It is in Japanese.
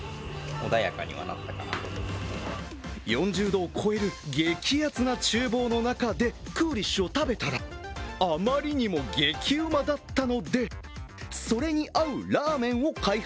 ４０度を超える激アツなちゅう房の中でクーリッシュを食べたらあまりにも激うまだった。